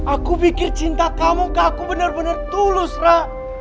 aku pikir cinta kamu ke aku bener bener tulus ra